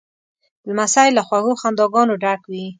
لمسی له خوږو خنداګانو ډک وي.